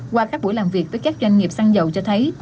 qua các buổi làm việc với các doanh nghiệp xăng dầu cho thấy